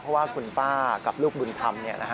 เพราะว่าคุณป้ากับลูกบุญธรรม